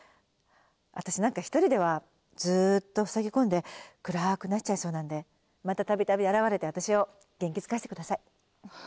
私なんか一人ではずーっと塞ぎ込んで暗くなっちゃいそうなのでまた度々現れて私を元気づかせてください。